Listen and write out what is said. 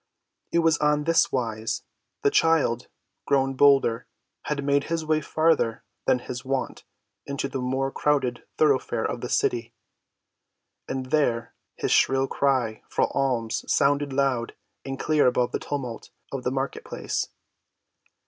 It was on this wise: the child, grown bolder, had made his way farther than his wont into the more crowded thoroughfares of the city, and there his shrill cry for alms sounded loud and clear above the tumult of the market‐place.